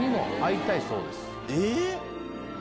えっ？